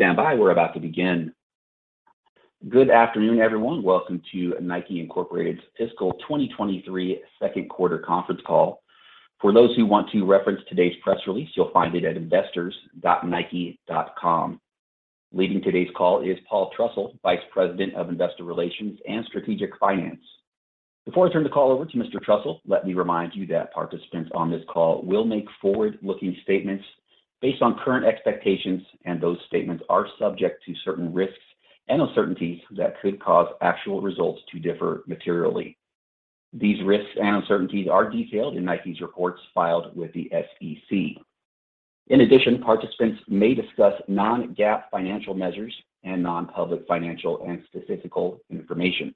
Please stand by. We're about to begin. Good afternoon, everyone. Welcome to NIKE, Inc.'s Fiscal 2023 second quarter conference call. For those who want to reference today's press release, you'll find it at investors.nike.com. Leading today's call is Paul Trussell, Vice President of Investor Relations and Strategic Finance. Before I turn the call over to Mr. Trussell, let me remind you that participants on this call will make forward-looking statements based on current expectations, and those statements are subject to certain risks and uncertainties that could cause actual results to differ materially. These risks and uncertainties are detailed in Nike's reports filed with the SEC. In addition, participants may discuss non-GAAP financial measures and non-public financial and statistical information.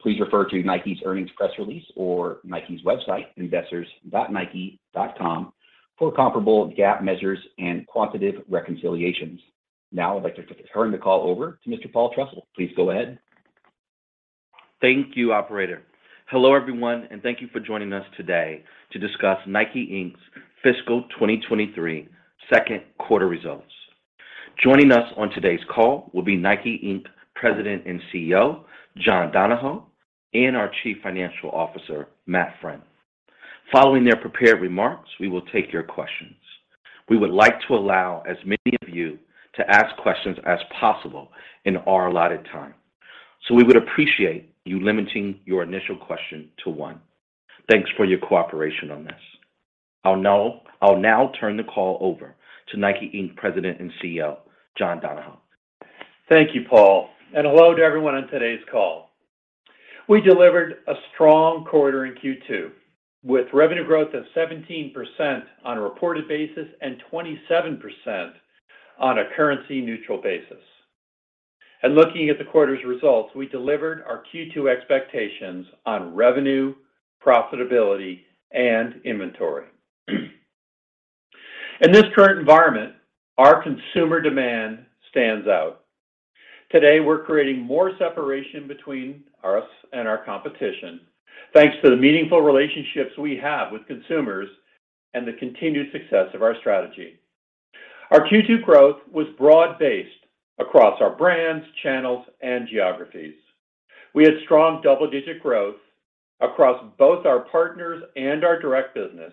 Please refer to Nike's earnings press release or Nike's website, investors.nike.com, for comparable GAAP measures and quantitative reconciliations. Now I'd like to turn the call over to Mr. Paul Trussell. Please go ahead. Thank you, operator. Hello, everyone, and thank you for joining us today to discuss Nike Inc.'s fiscal 2023 second quarter results. Joining us on today's call will be Nike Inc. President and Chief Executive Officer, John Donahoe, and our Chief Financial Officer, Matt Friend. Following their prepared remarks, we will take your questions. We would like to allow as many of you to ask questions as possible in our allotted time. We would appreciate you limiting your initial question to one. Thanks for your cooperation on this. I'll now turn the call over to Nike Inc. President and Chief Executive Officer, John Donahoe. Thank you, Paul. Hello to everyone on today's call. We delivered a strong quarter in Q2, with revenue growth of 17% on a reported basis and 27% on a currency neutral basis. Looking at the quarter's results, we delivered our Q2 expectations on revenue, profitability, and inventory. In this current environment, our consumer demand stands out. Today, we're creating more separation between us and our competition thanks to the meaningful relationships we have with consumers and the continued success of our strategy. Our Q2 growth was broad-based across our brands, channels, and geographies. We had strong double-digit growth across both our partners and our direct business,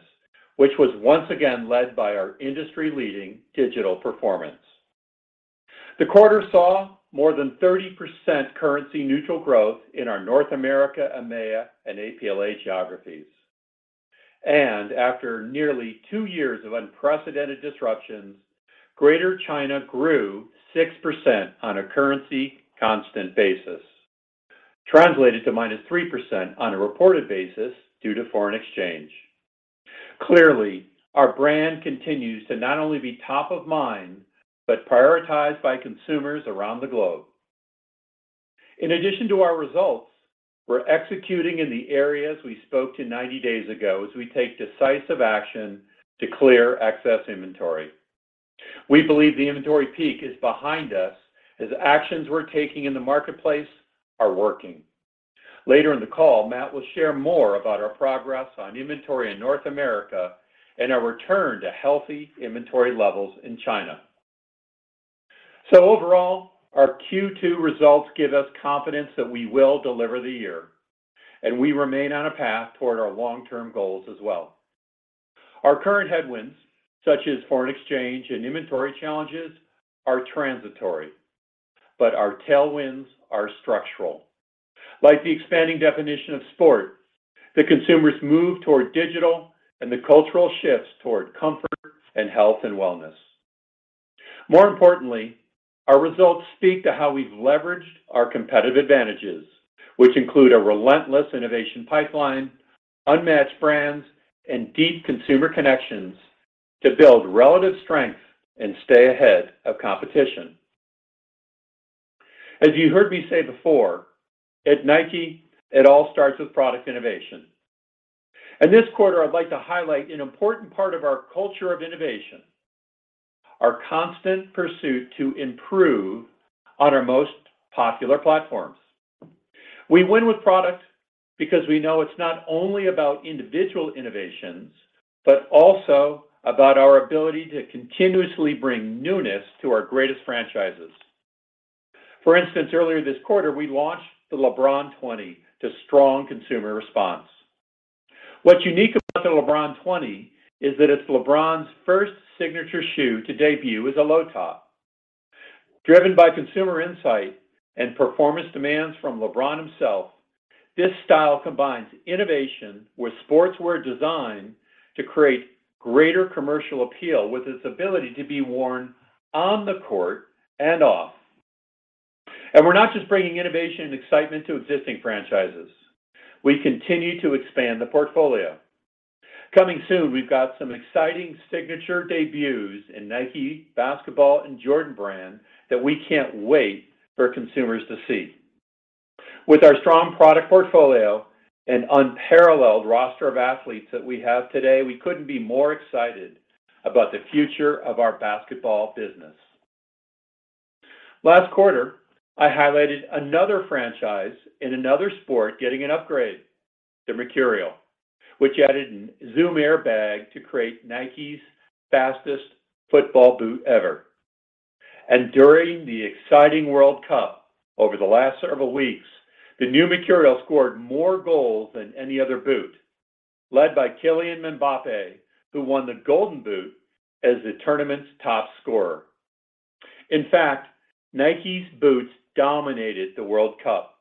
which was once again led by our industry-leading digital performance. The quarter saw more than 30% currency neutral growth in our North America, EMEA, and APLA geographies. After nearly two-years of unprecedented disruptions, Greater China grew 6% on a currency constant basis, translated to -3% on a reported basis due to foreign exchange. Clearly, our brand continues to not only be top of mind, but prioritized by consumers around the globe. In addition to our results, we're executing in the areas we spoke to 90 days ago as we take decisive action to clear excess inventory. We believe the inventory peak is behind us as actions we're taking in the marketplace are working. Later in the call, Matt will share more about our progress on inventory in North America and our return to healthy inventory levels in China. Overall, our Q2 results give us confidence that we will deliver the year, and we remain on a path toward our long-term goals as well. Our current headwinds, such as foreign exchange and inventory challenges, are transitory, but our tailwinds are structural. Like the expanding definition of sport, the consumers move toward digital and the cultural shifts toward comfort and health and wellness. More importantly, our results speak to how we've leveraged our competitive advantages, which include a relentless innovation pipeline, unmatched brands, and deep consumer connections to build relative strength and stay ahead of competition. As you heard me say before, at Nike, it all starts with product innovation. In this quarter, I'd like to highlight an important part of our culture of innovation, our constant pursuit to improve on our most popular platforms. We win with product because we know it's not only about individual innovations, but also about our ability to continuously bring newness to our greatest franchises. For instance, earlier this quarter, we launched the LeBron 20 to strong consumer response. What's unique about the LeBron 20 is that it's LeBron's first signature shoe to debut as a low top. Driven by consumer insight and performance demands from LeBron himself, this style combines innovation with sportswear design to create greater commercial appeal with its ability to be worn on the court and off. We're not just bringing innovation and excitement to existing franchises. We continue to expand the portfolio. Coming soon, we've got some exciting signature debuts in Nike Basketball and Jordan Brand that we can't wait for consumers to see. With our strong product portfolio and unparalleled roster of athletes that we have today, we couldn't be more excited about the future of our basketball business. Last quarter, I highlighted another franchise in another sport getting an upgrade to Mercurial, which added Zoom airbag to create Nike's fastest football boot ever. During the exciting World Cup over the last several weeks, the new Mercurial scored more goals than any other boot, led by Kylian Mbappé, who won the Golden Boot as the tournament's top scorer. In fact, Nike's boots dominated the World Cup,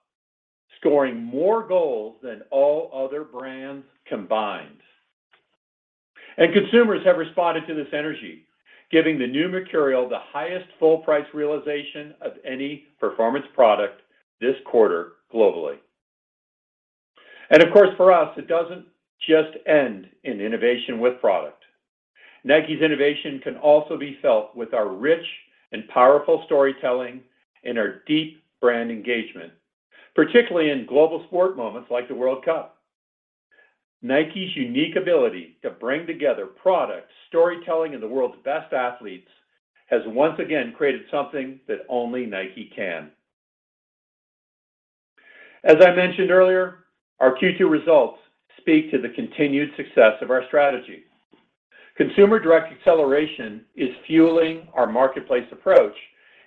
scoring more goals than all other brands combined. Consumers have responded to this energy, giving the new Mercurial the highest full price realization of any performance product this quarter globally. Of course, for us, it doesn't just end in innovation with product. Nike's innovation can also be felt with our rich and powerful storytelling and our deep brand engagement, particularly in global sport moments like the World Cup. Nike's unique ability to bring together product, storytelling, and the world's best athletes has once again created something that only Nike can. As I mentioned earlier, our Q2 results speak to the continued success of our strategy. Consumer direct acceleration is fueling our marketplace approach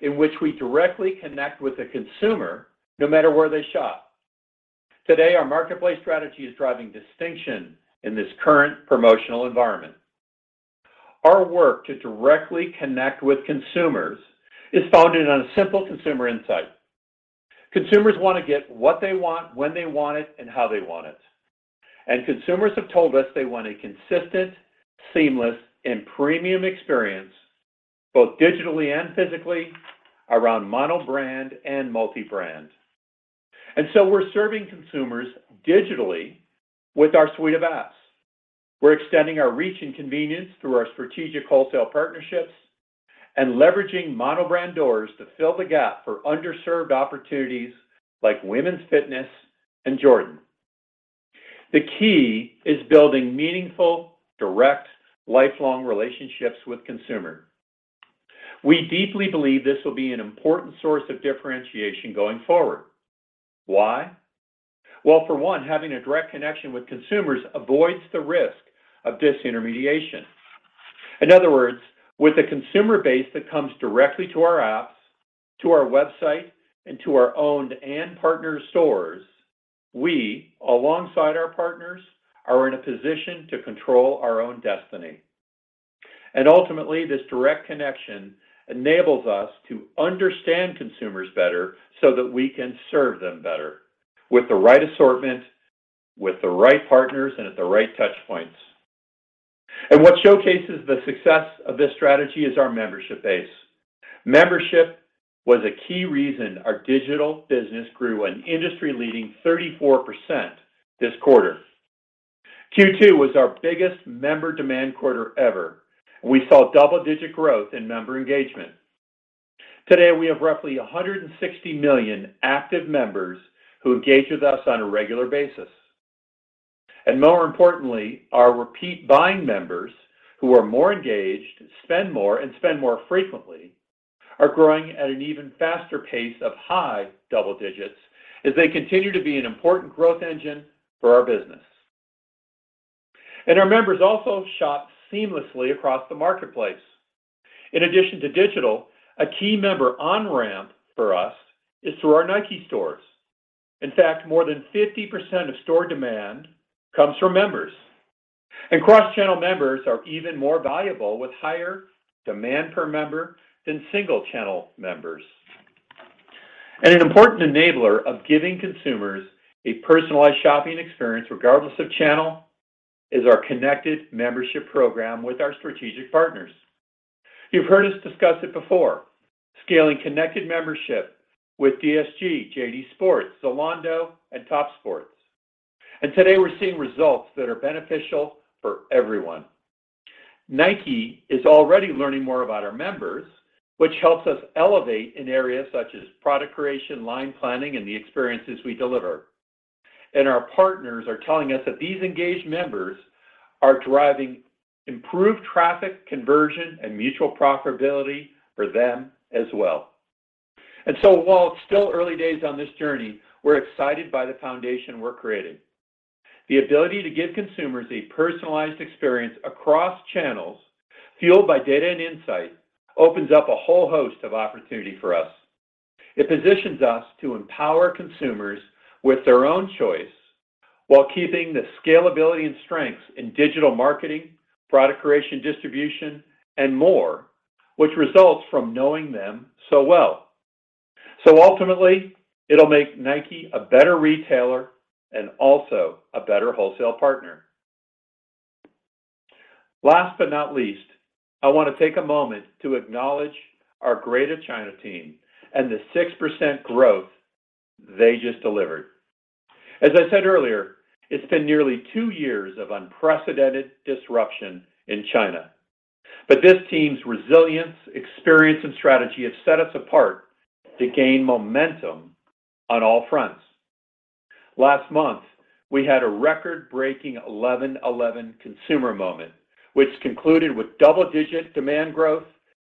in which we directly connect with the consumer no matter where they shop. Today, our marketplace strategy is driving distinction in this current promotional environment. Our work to directly connect with consumers is founded on a simple consumer insight. Consumers want to get what they want, when they want it, and how they want it. Consumers have told us they want a consistent, seamless, and premium experience both digitally and physically around mono-brand and multi-brand. We're serving consumers digitally with our suite of apps. We're extending our reach and convenience through our strategic wholesale partnerships and leveraging mono-brand doors to fill the gap for underserved opportunities like women's fitness and Jordan. The key is building meaningful, direct, lifelong relationships with consumers. We deeply believe this will be an important source of differentiation going forward. Why? Well, for one, having a direct connection with consumers avoids the risk of disintermediation. In other words, with a consumer base that comes directly to our apps, to our website, and to our owned and partner stores, we, alongside our partners, are in a position to control our own destiny. Ultimately, this direct connection enables us to understand consumers better so that we can serve them better with the right assortment, with the right partners, and at the right touch points. What showcases the success of this strategy is our membership base. Membership was a key reason our digital business grew an industry-leading 34% this quarter. Q2 was our biggest member demand quarter ever. We saw double-digit growth in member engagement. Today, we have roughly 160 million active members who engage with us on a regular basis. More importantly, our repeat buying members who are more engaged, spend more, and spend more frequently are growing at an even faster pace of high double digits as they continue to be an important growth engine for our business. Our members also shop seamlessly across the marketplace. In addition to digital, a key member on-ramp for us is through our NIKE stores. In fact, more than 50% of store demand comes from members. Cross-channel members are even more valuable with higher demand per member than single-channel members. An important enabler of giving consumers a personalized shopping experience regardless of channel is our connected membership program with our strategic partners. You've heard us discuss it before, scaling connected membership with DSG, JD Sports, Zalando, and Topsports. Today, we're seeing results that are beneficial for everyone. Nike is already learning more about our members, which helps us elevate in areas such as product creation, line planning, and the experiences we deliver. Our partners are telling us that these engaged members are driving improved traffic conversion and mutual profitability for them as well. While it's still early days on this journey, we're excited by the foundation we're creating. The ability to give consumers a personalized experience across channels fueled by data and insight opens up a whole host of opportunity for us. It positions us to empower consumers with their own choice while keeping the scalability and strengths in digital marketing, product creation, distribution, and more, which results from knowing them so well. Ultimately, it'll make Nike a better retailer and also a better wholesale partner. Last but not least, I want to take a moment to acknowledge our Greater China team and the 6% growth they just delivered. As I said earlier, it's been nearly two years of unprecedented disruption in China. This team's resilience, experience, and strategy have set us apart to gain momentum on all fronts. Last month, we had a record-breaking 11.11 consumer moment, which concluded with double-digit demand growth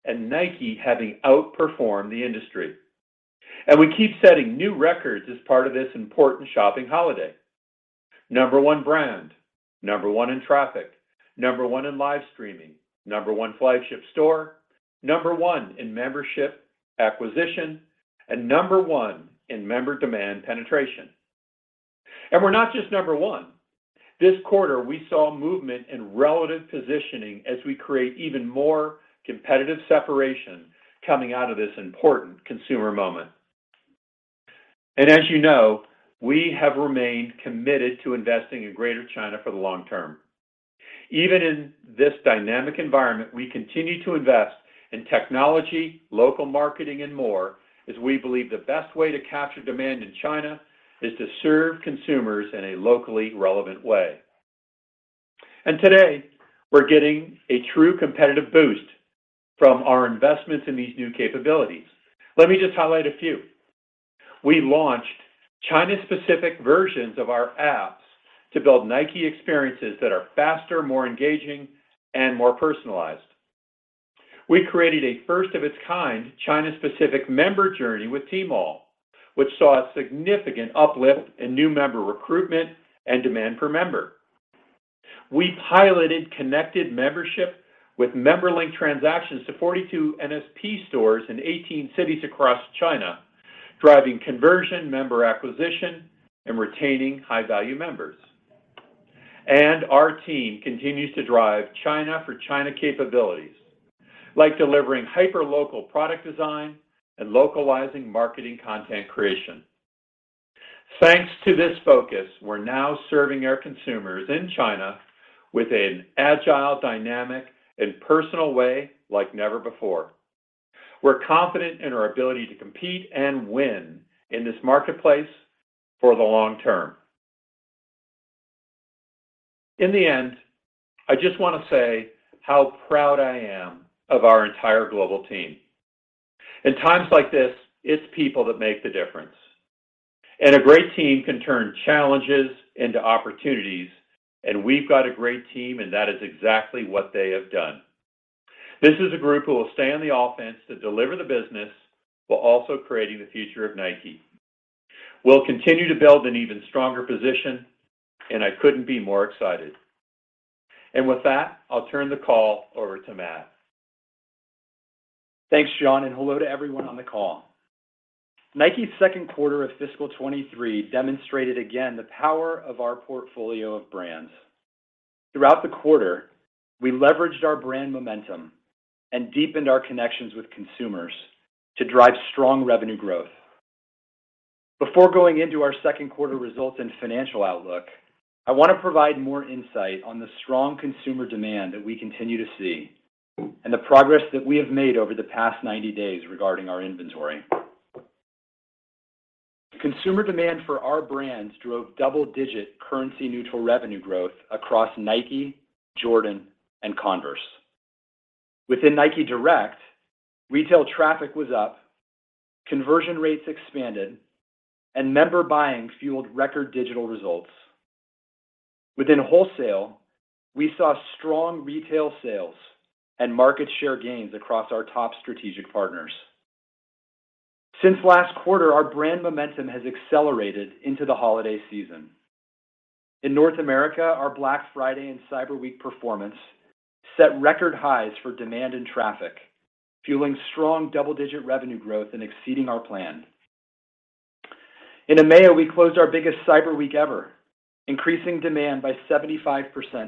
and Nike having outperformed the industry. We keep setting new records as part of this important shopping holiday. Number one brand, number one in traffic, number one in live streaming, number one flagship store, number one in membership acquisition, and number one in member demand penetration. We're not just number one. This quarter, we saw movement in relative positioning as we create even more competitive separation coming out of this important consumer moment. As you know, we have remained committed to investing in Greater China for the long term. Even in this dynamic environment, we continue to invest in technology, local marketing, and more, as we believe the best way to capture demand in China is to serve consumers in a locally relevant way. Today, we're getting a true competitive boost from our investments in these new capabilities. Let me just highlight a few. We launched China-specific versions of our apps to build Nike experiences that are faster, more engaging, and more personalized. We created a first-of-its-kind China-specific member journey with Tmall, which saw a significant uplift in new member recruitment and demand per member. We piloted connected membership with member-linked transactions to 42 NSP stores in 18 cities across China, driving conversion, member acquisition, and retaining high-value members. Our team continues to drive China-for-China capabilities, like delivering hyper-local product design and localizing marketing content creation. Thanks to this focus, we're now serving our consumers in China with an agile, dynamic, and personal way like never before. We're confident in our ability to compete and win in this marketplace for the long term. In the end, I just want to say how proud I am of our entire global team. In times like this, it's people that make the difference. A great team can turn challenges into opportunities, and we've got a great team, and that is exactly what they have done. This is a group who will stay on the offense to deliver the business while also creating the future of Nike. We'll continue to build an even stronger position, and I couldn't be more excited. With that, I'll turn the call over to Matt. Thanks, John, hello to everyone on the call. Nike's second quarter of fiscal 2023 demonstrated again the power of our portfolio of brands. Throughout the quarter, we leveraged our brand momentum and deepened our connections with consumers to drive strong revenue growth. Before going into our second quarter results and financial outlook, I want to provide more insight on the strong consumer demand that we continue to see and the progress that we have made over the past 90 days regarding our inventory. Consumer demand for our brands drove double-digit currency-neutral revenue growth across Nike, Jordan, and Converse. Within NIKE Direct, retail traffic was up, conversion rates expanded, and member buying fueled record digital results. Within wholesale, we saw strong retail sales and market share gains across our top strategic partners. Since last quarter, our brand momentum has accelerated into the holiday season. In North America, our Black Friday and Cyber Week performance set record highs for demand and traffic, fueling strong double-digit revenue growth and exceeding our plan. In EMEA, we closed our biggest Cyber Week ever, increasing demand by 75%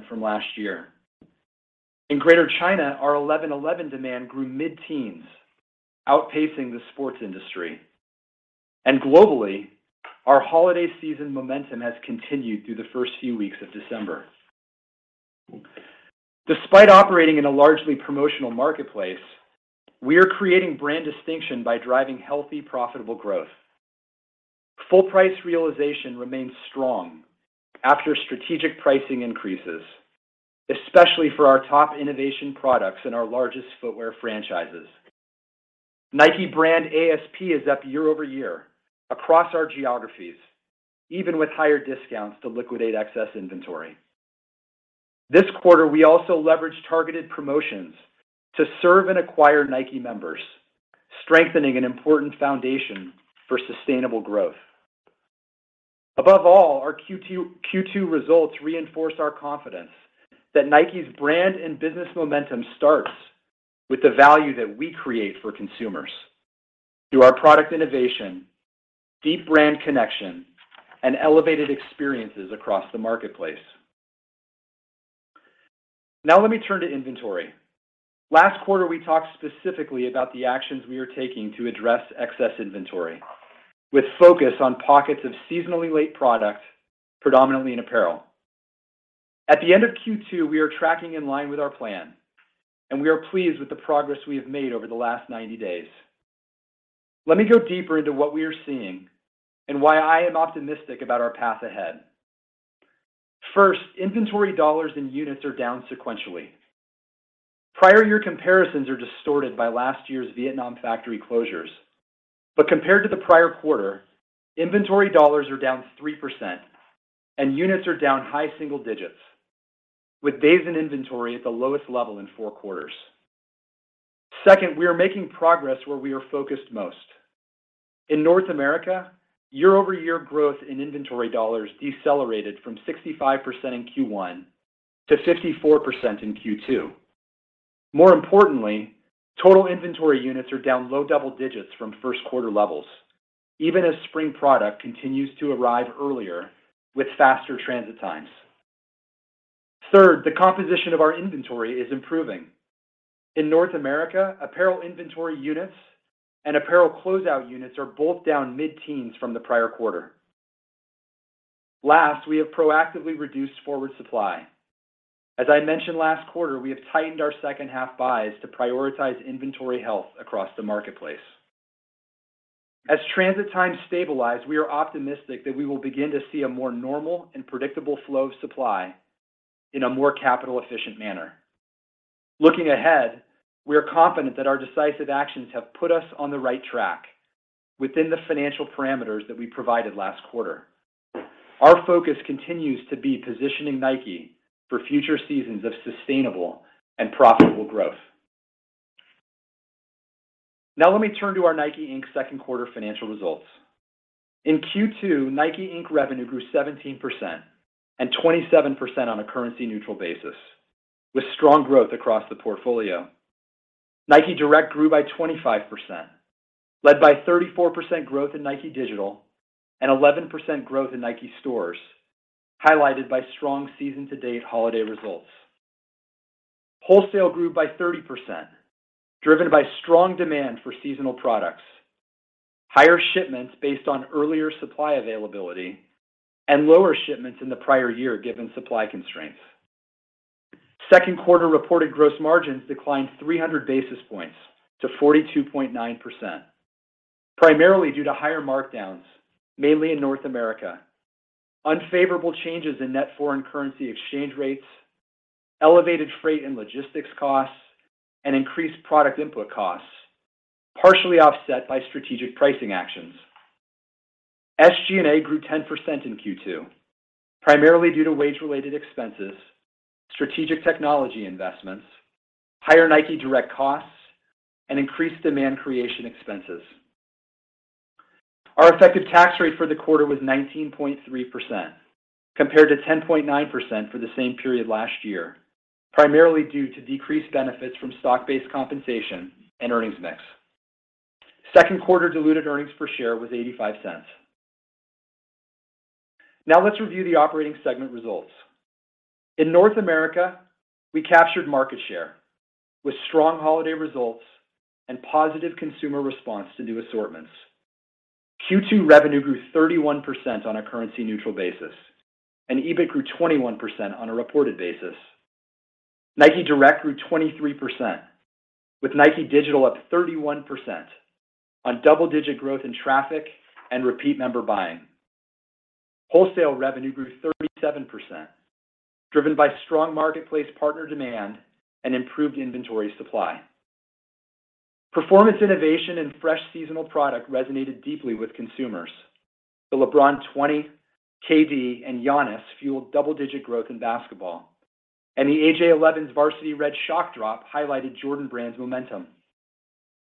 from last year. In Greater China, our 11.11 demand grew mid-teens, outpacing the sports industry. Globally, our holiday season momentum has continued through the first few weeks of December. Despite operating in a largely promotional marketplace, we are creating brand distinction by driving healthy, profitable growth. Full price realization remains strong after strategic pricing increases, especially for our top innovation products and our largest footwear franchises. Nike brand ASP is up year-over-year across our geographies, even with higher discounts to liquidate excess inventory. This quarter, we also leveraged targeted promotions to serve and acquire Nike members, strengthening an important foundation for sustainable growth. Above all, our Q2 results reinforce our confidence that Nike's brand and business momentum starts with the value that we create for consumers through our product innovation, deep brand connection, and elevated experiences across the marketplace. Now let me turn to inventory. Last quarter, we talked specifically about the actions we are taking to address excess inventory, with focus on pockets of seasonally late product, predominantly in apparel. At the end of Q2, we are tracking in line with our plan, and we are pleased with the progress we have made over the last 90 days. Let me go deeper into what we are seeing and why I am optimistic about our path ahead. First, inventory dollars and units are down sequentially. Prior year comparisons are distorted by last year's Vietnam factory closures. Compared to the prior quarter, inventory dollars are down 3% and units are down high single digits, with days in inventory at the lowest level in four quarters. Second, we are making progress where we are focused most. In North America, year-over-year growth in inventory dollars decelerated from 65% in Q1 to 54% in Q2. More importantly, total inventory units are down low double digits from first quarter levels, even as spring product continues to arrive earlier with faster transit times. Third, the composition of our inventory is improving. In North America, apparel inventory units and apparel closeout units are both down mid-teens from the prior quarter. Last, we have proactively reduced forward supply. As I mentioned last quarter, we have tightened our second half buys to prioritize inventory health across the marketplace. As transit times stabilize, we are optimistic that we will begin to see a more normal and predictable flow of supply in a more capital efficient manner. Looking ahead, we are confident that our decisive actions have put us on the right track within the financial parameters that we provided last quarter. Our focus continues to be positioning Nike for future seasons of sustainable and profitable growth. Now let me turn to our NIKE, Inc. second quarter financial results. In Q2, NIKE, Inc. revenue grew 17% and 27% on a currency neutral basis, with strong growth across the portfolio. Nike Direct grew by 25%, led by 34% growth in Nike Digital and 11% growth in Nike Stores, highlighted by strong season to date Holiday results. Wholesale grew by 30%, driven by strong demand for seasonal products, higher shipments based on earlier supply availability, and lower shipments in the prior year given supply constraints. Second quarter reported gross margins declined 300 basis points to 42.9%, primarily due to higher markdowns, mainly in North America, unfavorable changes in net foreign currency exchange rates, elevated freight and logistics costs, and increased product input costs, partially offset by strategic pricing actions. SG&A grew 10% in Q2, primarily due to wage-related expenses, strategic technology investments, higher NIKE Direct costs, and increased demand creation expenses. Our effective tax rate for the quarter was 19.3% compared to 10.9% for the same period last year, primarily due to decreased benefits from stock-based compensation and earnings mix. Second quarter diluted earnings per share was $0.85. Now let's review the operating segment results. In North America, we captured market share with strong holiday results and positive consumer response to new assortments. Q2 revenue grew 31% on a currency neutral basis, and EBIT grew 21% on a reported basis. Nike Direct grew 23% with Nike Digital up 31% on double-digit growth in traffic and repeat member buying. Wholesale revenue grew 37%, driven by strong marketplace partner demand and improved inventory supply. Performance innovation and fresh seasonal product resonated deeply with consumers. The LeBron 20, KD, and Giannis fueled double-digit growth in basketball. The AJ 11's Varsity Red shock drop highlighted Jordan Brand's momentum.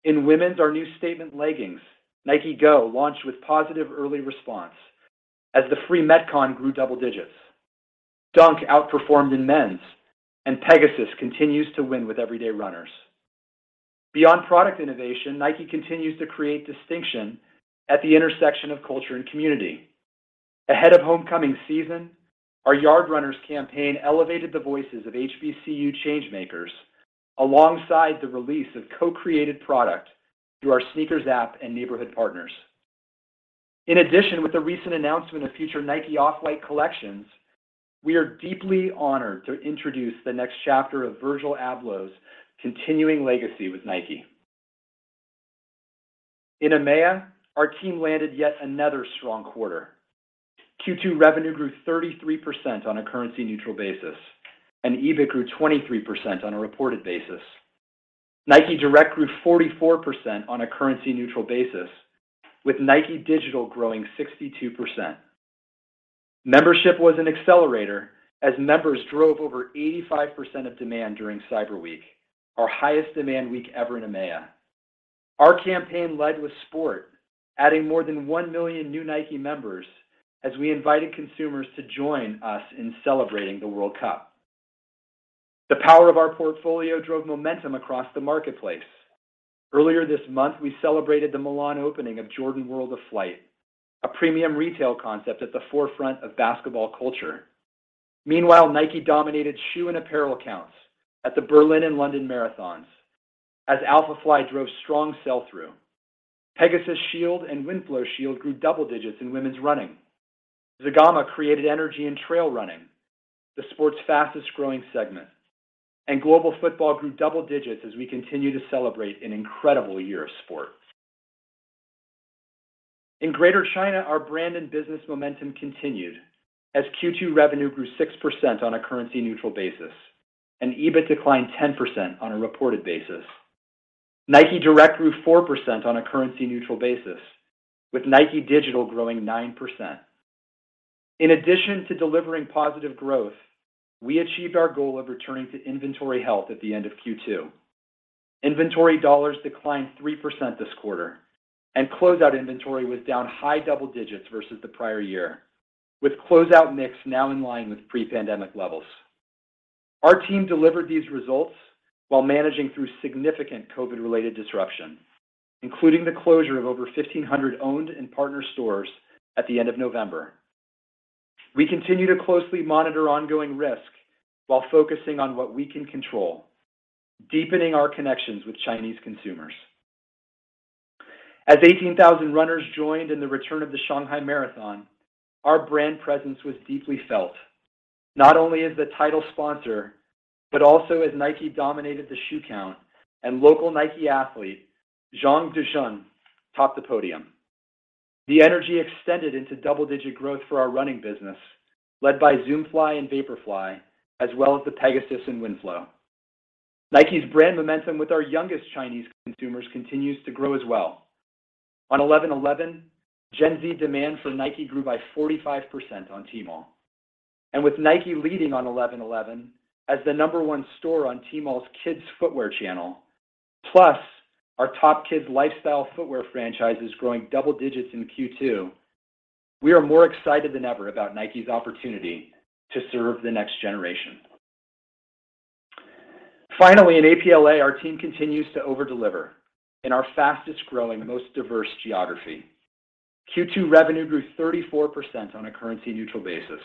In women's, our new statement leggings, Nike Go, launched with positive early response as the Free Metcon grew double digits. Dunk outperformed in men's, and Pegasus continues to win with everyday runners. Beyond product innovation, Nike continues to create distinction at the intersection of culture and community. Ahead of homecoming season, our Yardrunners campaign elevated the voices of HBCU change makers alongside the release of co-created product through our SNKRS app and neighborhood partners. With the recent announcement of future Nike x Off-White collections, we are deeply honored to introduce the next chapter of Virgil Abloh's continuing legacy with Nike. In EMEA, our team landed yet another strong quarter. Q2 revenue grew 33% on a currency neutral basis, and EBITDA grew 23% on a reported basis. NIKE Direct grew 44% on a currency neutral basis, with NIKE Digital growing 62%. Membership was an accelerator as members drove over 85% of demand during Cyber Week, our highest demand week ever in EMEA. Our campaign led with sport, adding more than 1 million new Nike members as we invited consumers to join us in celebrating the World Cup. The power of our portfolio drove momentum across the marketplace. Earlier this month, we celebrated the Milan opening of Jordan World of Flight, a premium retail concept at the forefront of basketball culture. Meanwhile, Nike dominated shoe and apparel counts at the Berlin and London marathons as Alphafly drove strong sell-through. Pegasus Shield and Winflo Shield grew double digits in women's running. Zegama created energy in trail running, the sport's fastest growing segment. In Greater China, our brand and business momentum continued as Q2 revenue grew 6% on a currency neutral basis, and EBITDA declined 10% on a reported basis. NIKE Direct grew 4% on a currency neutral basis, with NIKE Digital growing 9%. In addition to delivering positive growth, we achieved our goal of returning to inventory health at the end of Q2. Inventory dollars declined 3% this quarter. Closeout inventory was down high double digits versus the prior year, with closeout mix now in line with pre-pandemic levels. Our team delivered these results while managing through significant COVID-related disruption, including the closure of over 1,500 owned and partner stores at the end of November. We continue to closely monitor ongoing risk while focusing on what we can control, deepening our connections with Chinese consumers. As 18,000 runners joined in the return of the Shanghai Marathon, our brand presence was deeply felt, not only as the title sponsor, but also as NIKE dominated the shoe count and local NIKE athlete Zhong Dezheng topped the podium. The energy extended into double-digit growth for our Running business, led by Zoom Fly and Vaporfly, as well as the Pegasus and Winflo. NIKE's brand momentum with our youngest Chinese consumers continues to grow as well. On 11.11, Gen Z demand for NIKE grew by 45% on Tmall. With NIKE leading on 11.11 as the number one store on Tmall's kids footwear channel, plus our top kids lifestyle footwear franchises growing double digits in Q2, we are more excited than ever about NIKE's opportunity to serve the next generation. Finally, in APLA, our team continues to over-deliver in our fastest-growing, most diverse geography. Q2 revenue grew 34% on a currency neutral basis.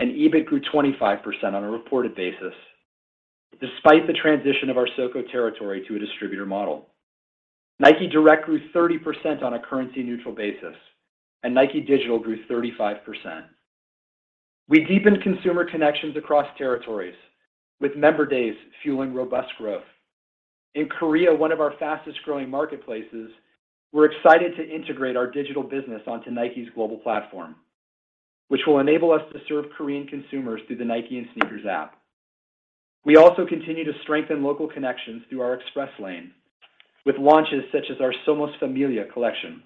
EBITDA grew 25% on a reported basis, despite the transition of our SOCO territory to a distributor model. NIKE Direct grew 30% on a currency neutral basis, and NIKE Digital grew 35%. We deepened consumer connections across territories with member days fueling robust growth. In Korea, one of our fastest-growing marketplaces, we're excited to integrate our digital business onto NIKE's global platform, which will enable us to serve Korean consumers through the NIKE and SNKRS app. We also continue to strengthen local connections through our Express Lane with launches such as our Somos Familia collection.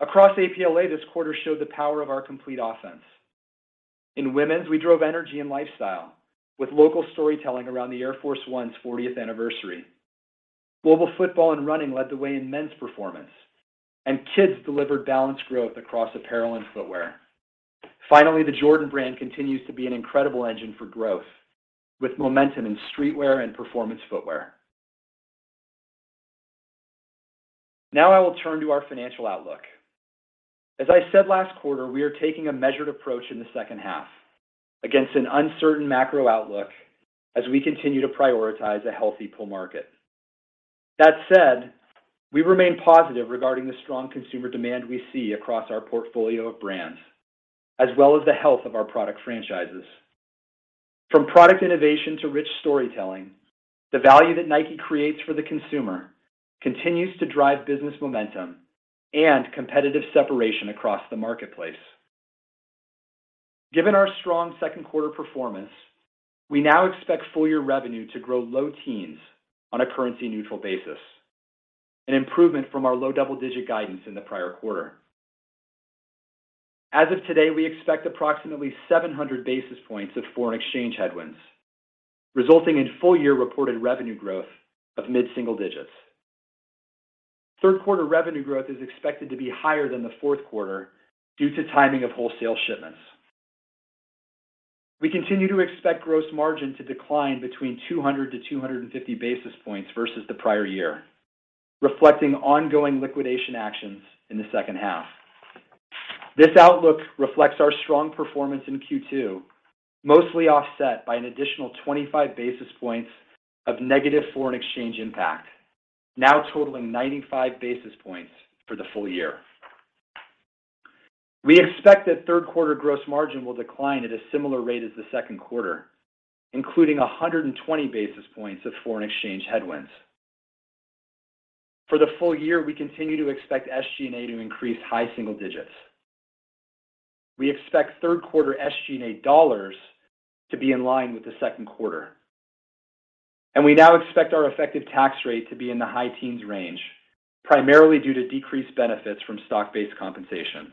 Across APLA, this quarter showed the power of our complete offense. In women's, we drove energy and lifestyle with local storytelling around the Air Force 1's 40th anniversary. Global football and running led the way in men's performance, and kids delivered balanced growth across apparel and footwear. Finally, the Jordan Brand continues to be an incredible engine for growth with momentum in streetwear and performance footwear. Now I will turn to our financial outlook. As I said last quarter, we are taking a measured approach in the second half against an uncertain macro outlook as we continue to prioritize a healthy pull market. That said, we remain positive regarding the strong consumer demand we see across our portfolio of brands, as well as the health of our product franchises. From product innovation to rich storytelling, the value that NIKE creates for the consumer continues to drive business momentum and competitive separation across the marketplace. Given our strong second quarter performance, we now expect full-year revenue to grow low teens on a currency neutral basis, an improvement from our low double-digit guidance in the prior quarter. As of today, we expect approximately 700 basis points of foreign exchange headwinds, resulting in full-year reported revenue growth of mid-single digits. Third quarter revenue growth is expected to be higher than the fourth quarter due to timing of wholesale shipments. We continue to expect gross margin to decline between 200 to 250 basis points versus the prior year, reflecting ongoing liquidation actions in the second half. This outlook reflects our strong performance in Q2, mostly offset by an additional 25 basis points of negative foreign exchange impact, now totaling 95 basis points for the full year. We expect that third quarter gross margin will decline at a similar rate as the second quarter, including 120 basis points of foreign exchange headwinds. For the full year, we continue to expect SG&A to increase high single digits. We expect third quarter SG&A dollars to be in line with the second quarter. We now expect our effective tax rate to be in the high teens range, primarily due to decreased benefits from stock-based compensation.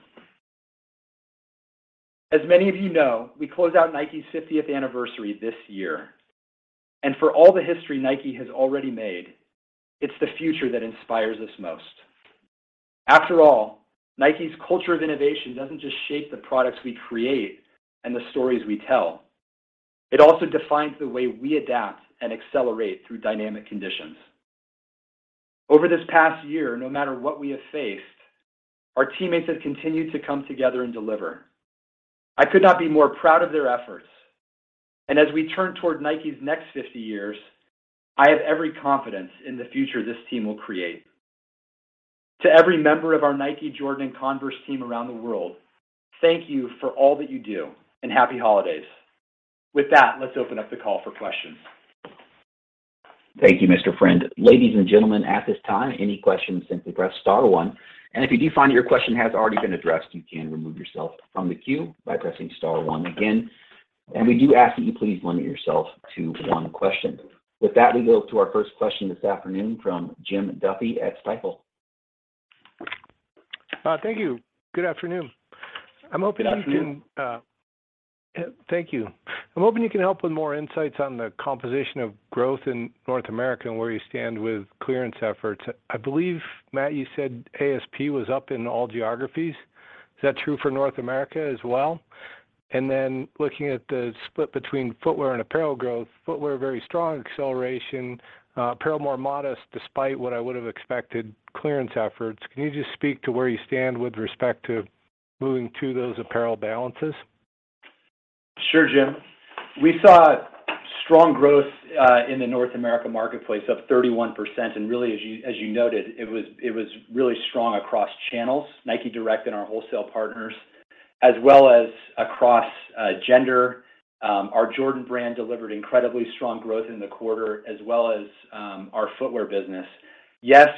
As many of you know, we close out NIKE's 50th anniversary this year. For all the history NIKE has already made, it's the future that inspires us most. After all, NIKE's culture of innovation doesn't just shape the products we create and the stories we tell. It also defines the way we adapt and accelerate through dynamic conditions. Over this past year, no matter what we have faced, our teammates have continued to come together and deliver. I could not be more proud of their efforts. As we turn toward Nike's next 50 years, I have every confidence in the future this team will create. To every member of our Nike, Jordan, and Converse team around the world, thank you for all that you do and happy holidays. With that, let's open up the call for questions. Thank you, Mr. Friend. Ladies and gentlemen, at this time, any questions, simply press star one. If you do find your question has already been addressed, you can remove yourself from the queue by pressing star one again. We do ask that you please limit yourself to one question. With that, we go to our first question this afternoon from Jim Duffy at Stifel. Thank you. Good afternoon. Afternoon. Thank you. I'm hoping you can help with more insights on the composition of growth in North America and where you stand with clearance efforts. I believe, Matt, you said ASP was up in all geographies. Is that true for North America as well? Looking at the split between footwear and apparel growth, footwear, very strong acceleration, apparel, more modest despite what I would have expected clearance efforts. Can you just speak to where you stand with respect to moving to those apparel balances? Sure, Jim. We saw strong growth in the North America marketplace, up 31%. Really, as you noted, it was really strong across channels, NIKE Direct and our wholesale partners, as well as across gender. Our Jordan Brand delivered incredibly strong growth in the quarter, as well as our footwear business.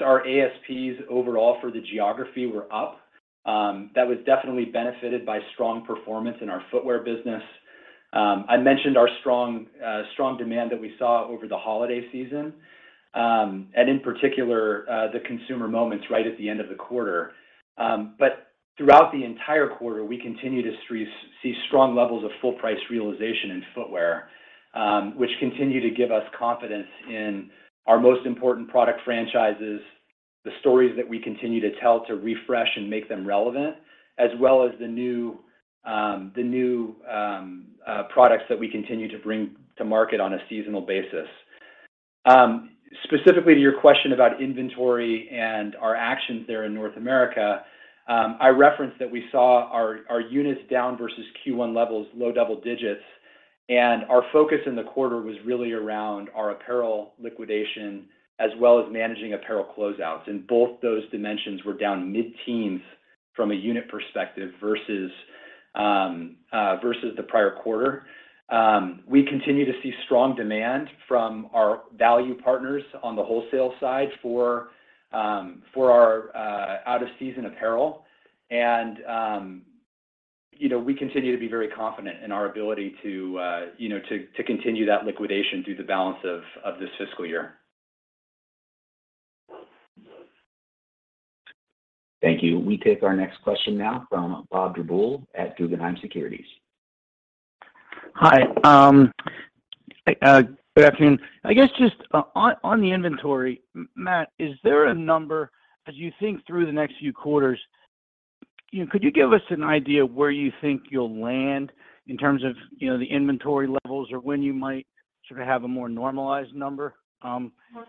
Our ASPs overall for the geography were up. That was definitely benefited by strong performance in our footwear business. I mentioned our strong demand that we saw over the holiday season, and in particular, the consumer moments right at the end of the quarter. Throughout the entire quarter, we continue to see strong levels of full price realization in footwear, which continue to give us confidence in our most important product franchises, the stories that we continue to tell to refresh and make them relevant, as well as the new, the new products that we continue to bring to market on a seasonal basis. Specifically to your question about inventory and our actions there in North America, I referenced that we saw our units down versus Q1 levels low double digits, and our focus in the quarter was really around our apparel liquidation as well as managing apparel closeouts. Both those dimensions were down mid-teens from a unit perspective versus the prior quarter. We continue to see strong demand from our value partners on the wholesale side for our out of season apparel. You know, we continue to be very confident in our ability to, you know, to continue that liquidation through the balance of this fiscal year. Thank you. We take our next question now from Bob Drbul at Guggenheim Securities. Hi. good afternoon. I guess just on the inventory, Matt, is there a number as you think through the next few quarters, you know, could you give us an idea where you think you'll land in terms of, you know, the inventory levels or when you might sort of have a more normalized number,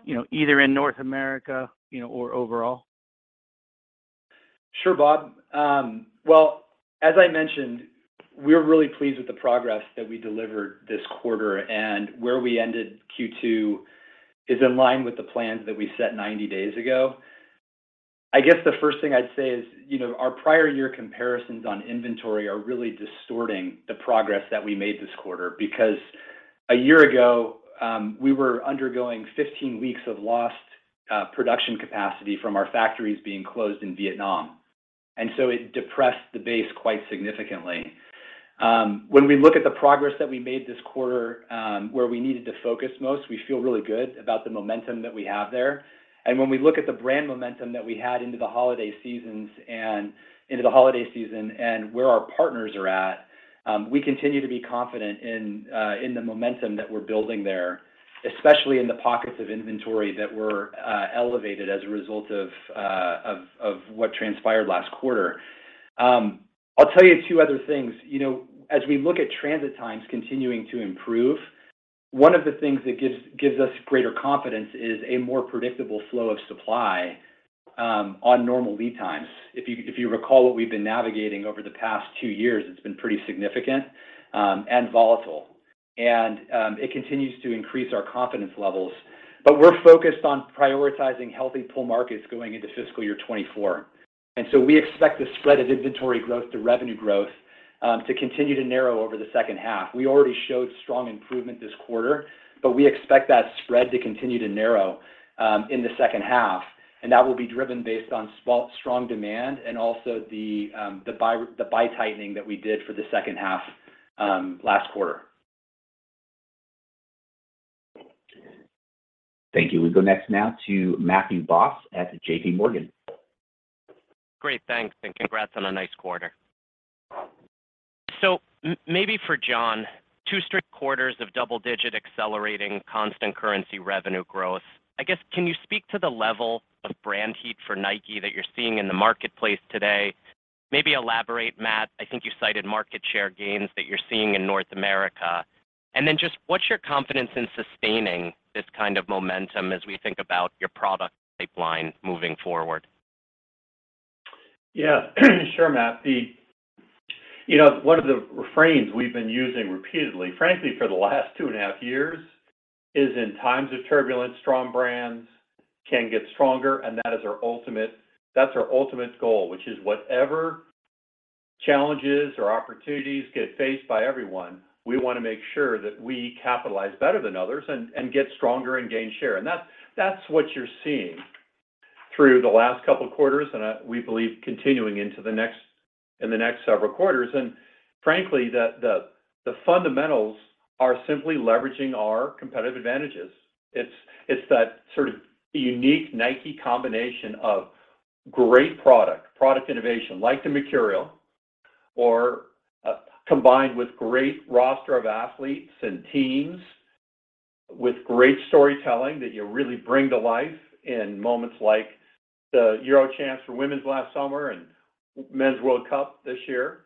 you know, either in North America, you know, or overall? Sure, Bob. Well, as I mentioned, we're really pleased with the progress that we delivered this quarter, and where we ended Q2 is in line with the plans that we set 90 days ago. I guess the first thing I'd say is, you know, our prior year comparisons on inventory are really distorting the progress that we made this quarter because a year ago, we were undergoing 15 weeks of lost production capacity from our factories being closed in Vietnam. It depressed the base quite significantly. When we look at the progress that we made this quarter, where we needed to focus most, we feel really good about the momentum that we have there. When we look at the brand momentum that we had into the holiday season and where our partners are at, we continue to be confident in the momentum that we're building there, especially in the pockets of inventory that were elevated as a result of what transpired last quarter. I'll tell you two other things. You know, as we look at transit times continuing to improve, one of the things that gives us greater confidence is a more predictable flow of supply on normal lead times. If you recall what we've been navigating over the past two-years, it's been pretty significant and volatile. It continues to increase our confidence levels. We're focused on prioritizing healthy pull markets going into fiscal year 2024. We expect the spread of inventory growth to revenue growth, to continue to narrow over the second half. We already showed strong improvement this quarter, but we expect that spread to continue to narrow in the second half. That will be driven based on spot strong demand and also the buy tightening that we did for the second half last quarter. Thank you. We go next now to Matthew Boss at J.P. Morgan. Great. Thanks. Congrats on a nice quarter. Maybe for John, two straight quarters of double-digit accelerating constant currency revenue growth. I guess, can you speak to the level of brand heat for Nike that you're seeing in the marketplace today? Maybe elaborate, Matt. I think you cited market share gains that you're seeing in North America. Then just what's your confidence in sustaining this kind of momentum as we think about your product pipeline moving forward? Yeah. Sure, Matt. You know, one of the refrains we've been using repeatedly, frankly, for the last two and a half years, is in times of turbulence, strong brands can get stronger, that's our ultimate goal, which is whatever challenges or opportunities get faced by everyone. We want to make sure that we capitalize better than others and get stronger and gain share. That's what you're seeing through the last couple of quarters. We believe continuing in the next several quarters. Frankly, the fundamentals are simply leveraging our competitive advantages. It's that sort of unique Nike combination of great product innovation like the Mercurial or combined with great roster of athletes and teams with great storytelling that you really bring to life in moments like the Euro Champs for women's last summer and Men's World Cup this year,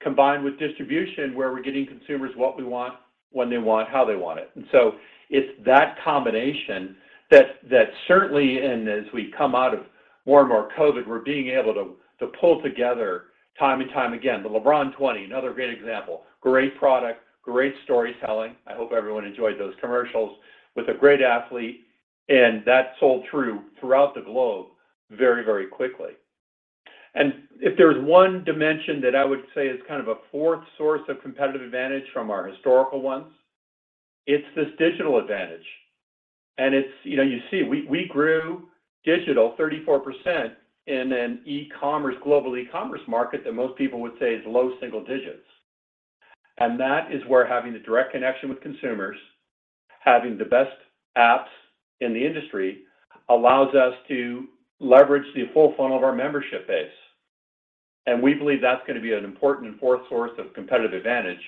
combined with distribution, where we're getting consumers what we want, when they want, how they want it. It's that combination that certainly as we come out of more and more COVID, we're being able to pull together time and time again. The LeBron 20, another great example, great product, great storytelling. I hope everyone enjoyed those commercials with a great athlete, that sold through throughout the globe very, very quickly. If there's one dimension that I would say is kind of a fourth source of competitive advantage from our historical ones, it's this digital advantage. It's, you know, you see, we grew digital 34% in an e-commerce, global e-commerce market that most people would say is low single digits. That is where having the direct connection with consumers, having the best apps in the industry allows us to leverage the full funnel of our membership base. We believe that's going to be an important fourth source of competitive advantage,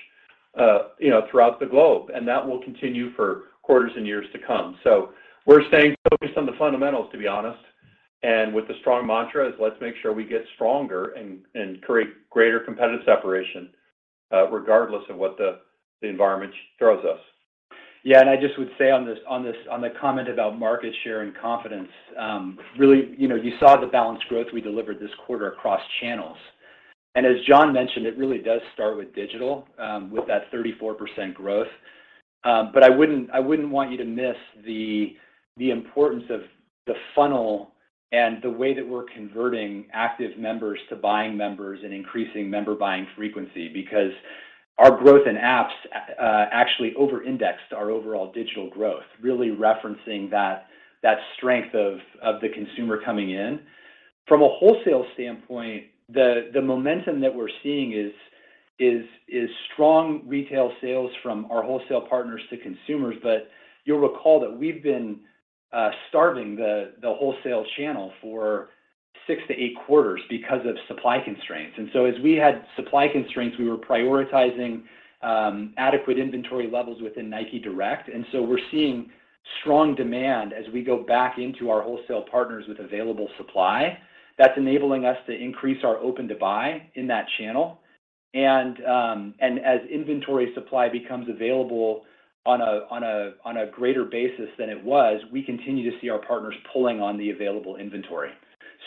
you know, throughout the globe, and that will continue for quarters and years to come. We're staying focused on the fundamentals, to be honest, and with the strong mantra is let's make sure we get stronger and create greater competitive separation, regardless of what the environment throws us. Yeah. I just would say on this comment about market share and confidence, really, you know, you saw the balanced growth we delivered this quarter across channels. As John mentioned, it really does start with digital, with that 34% growth. I wouldn't want you to miss the importance of the funnel and the way that we're converting active members to buying members and increasing member buying frequency because our growth in apps, actually overindexed our overall digital growth, really referencing that strength of the consumer coming in. From a wholesale standpoint, the momentum that we're seeing is strong retail sales from our wholesale partners to consumers. You'll recall that we've been starving the wholesale channel for six to eight quarters because of supply constraints. As we had supply constraints, we were prioritizing adequate inventory levels within Nike Direct. We're seeing strong demand as we go back into our wholesale partners with available supply that's enabling us to increase our open to buy in that channel. As inventory supply becomes available on a greater basis than it was, we continue to see our partners pulling on the available inventory.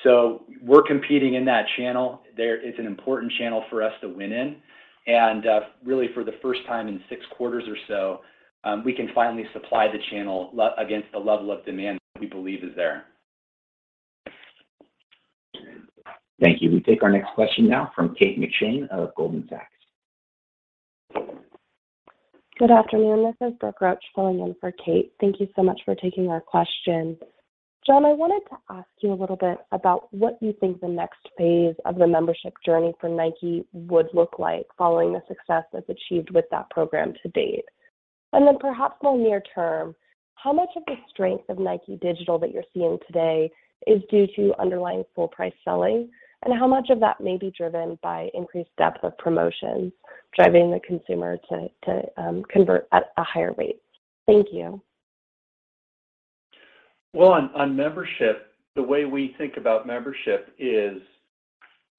So we're competing in that channel there. It's an important channel for us to win in. Really, for the first time in six quarters or so, we can finally supply the channel against the level of demand that we believe is there. Thank you. We take our next question now from Kate McShane of Goldman Sachs. Good afternoon. This is Brooke Roach filling in for Kate. Thank you so much for taking our question. John, I wanted to ask you a little bit about what you think the next phase of the membership journey for Nike would look like following the success that's achieved with that program to date. Then perhaps more near term, how much of the strength of Nike digital that you're seeing today is due to underlying full price selling, and how much of that may be driven by increased depth of promotions driving the consumer to convert at a higher rate? Thank you. Well, on membership, the way we think about membership is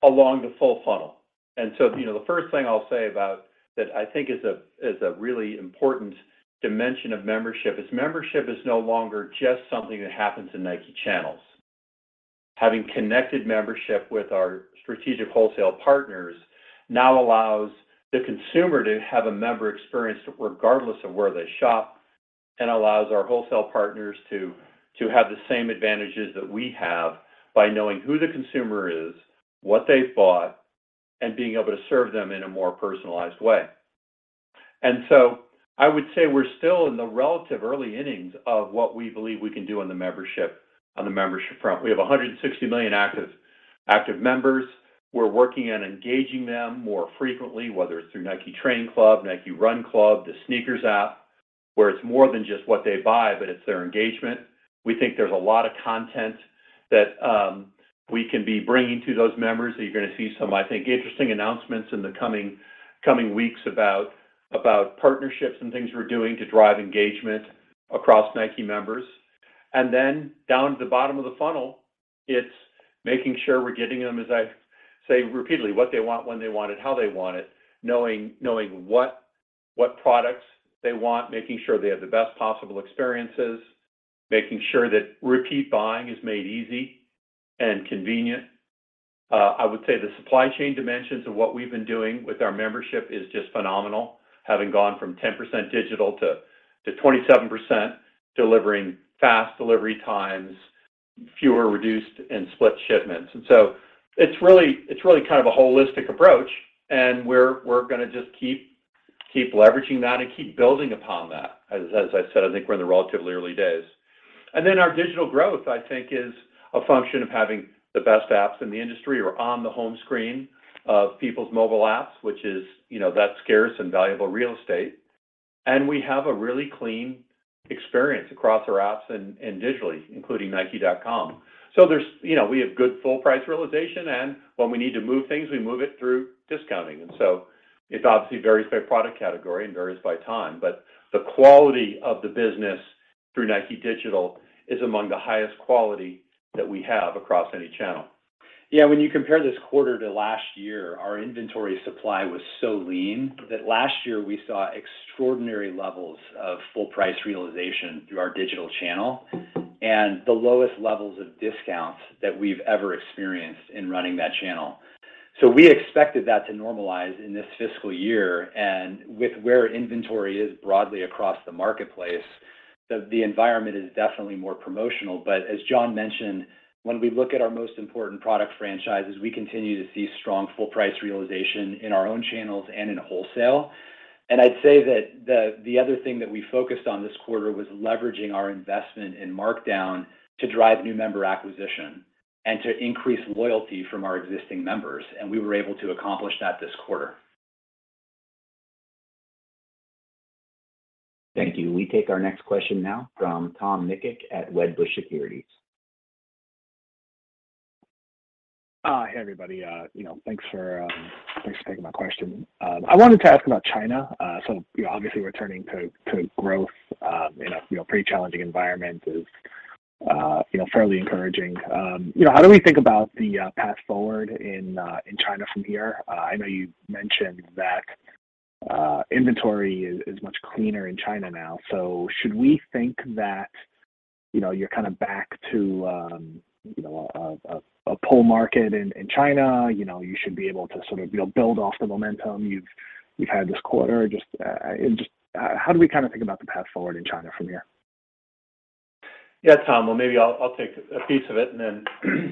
along the full funnel. You know, the first thing I'll say about that I think is a really important dimension of membership is membership is no longer just something that happens in Nike channels. Having connected membership with our strategic wholesale partners now allows the consumer to have a member experience regardless of where they shop and allows our wholesale partners to have the same advantages that we have by knowing who the consumer is, what they've bought, and being able to serve them in a more personalized way. I would say we're still in the relative early innings of what we believe we can do on the membership front. We have 160 million active members. We're working on engaging them more frequently, whether it's through Nike Training Club, Nike Run Club, the SNKRS app, where it's more than just what they buy, but it's their engagement. We think there's a lot of content that we can be bringing to those members, you're going to see some, I think, interesting announcements in the coming weeks about partnerships and things we're doing to drive engagement across Nike members. Then down to the bottom of the funnel, it's making sure we're getting them, as I say repeatedly, what they want, when they want it, how they want it, knowing what products they want, making sure they have the best possible experiences, making sure that repeat buying is made easy and convenient. I would say the supply chain dimensions of what we've been doing with our membership is just phenomenal. Having gone from 10% digital to 27%, delivering fast delivery times fewer reduced and split shipments. It's really kind of a holistic approach, and we're gonna just keep leveraging that and keep building upon that. As I said, I think we're in the relatively early days. Then our digital growth, I think, is a function of having the best apps in the industry or on the home screen of people's mobile apps, which is, you know, that scarce and valuable real estate. We have a really clean experience across our apps and digitally, including nike.com. There's, you know, we have good full price realization, and when we need to move things, we move it through discounting. It obviously varies by product category and varies by time. The quality of the business through NIKE Digital is among the highest quality that we have across any channel. When you compare this quarter to last year, our inventory supply was so lean that last year we saw extraordinary levels of full price realization through our digital channel and the lowest levels of discounts that we've ever experienced in running that channel. We expected that to normalize in this fiscal year and with where inventory is broadly across the marketplace, the environment is definitely more promotional. As John mentioned, when we look at our most important product franchises, we continue to see strong full price realization in our own channels and in wholesale. I'd say that the other thing that we focused on this quarter was leveraging our investment in markdown to drive new member acquisition and to increase loyalty from our existing members, and we were able to accomplish that this quarter. Thank you. We take our next question now from Tom Nikic at Wedbush Securities. Hey, everybody. You know, thanks for taking my question. I wanted to ask about China. You know, obviously returning to growth, in a, you know, pretty challenging environment is, you know, fairly encouraging. You know, how do we think about the path forward in China from here? I know you mentioned that, inventory is much cleaner in China now. Should we think that, you know, you're kind of back to, you know, a pull market in China? You know, you should be able to sort of, you know, build off the momentum you've had this quarter. Just how do we kind of think about the path forward in China from here? Tom. Well, maybe I'll take a piece of it.